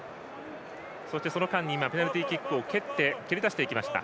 そして、その間にペナルティーキックを蹴り出していきました。